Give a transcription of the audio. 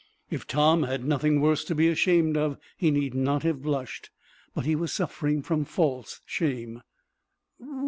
If Tom had nothing worse to be ashamed of he need not have blushed, but he was suffering from false shame.